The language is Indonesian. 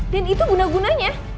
dan itu guna gunanya